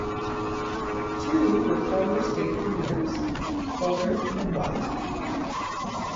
Two were former state premiers: Holder and Watt.